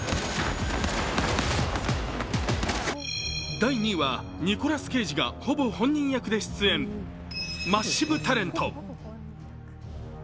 第２位は、ニコラス・ケイジがほぼ本人役で出演、「マッシブ・タレント」。